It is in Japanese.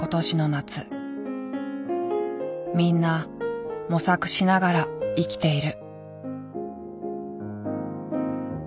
みんな模索しながら生きている。